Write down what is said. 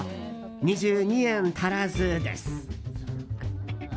２２円足らずです。